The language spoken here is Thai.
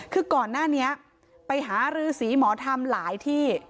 คือก่อนหน้านี้ไปหาฤษีหมอทำหลายที่